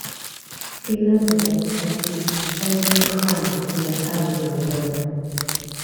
Elizabeth tells the angry crowd to let Abigail live.